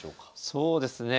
そうですね